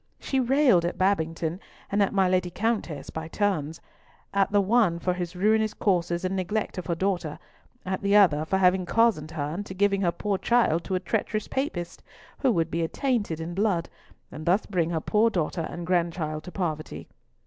She railed at Babington and at my Lady Countess by turns; at the one for his ruinous courses and neglect of her daughter, at the other for having cozened her into giving her poor child to a treacherous Papist, who would be attainted in blood, and thus bring her poor daughter and grandchild to poverty.